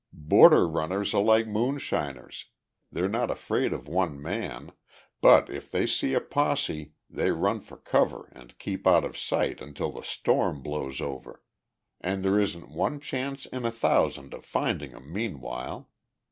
Border runners are like moonshiners, they're not afraid of one man, but if they see a posse they run for cover and keep out of sight until the storm blows over. And there isn't one chance in a thousand of finding 'em meanwhile.